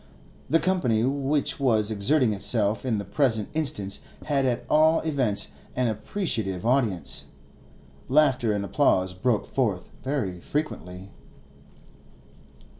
The company which was exerting itself in the present instance had at all events an appreciative audience; laughter and applause broke forth very frequently.